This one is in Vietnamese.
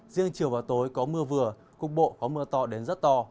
riêng chiều và tối có mưa vừa cục bộ có mưa to đến rất to